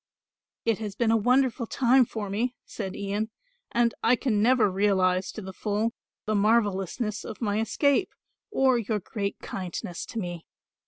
"It has been a wonderful time for me," said Ian, "and I can never realise to the full the marvellousness of my escape or your great kindness to me.